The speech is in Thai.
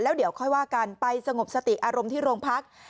แล้วเดี๋ยวค่อยว่ากันไปสงบสติอารมณ์ที่โรงพัก